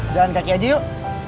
jalan kaki aja yuk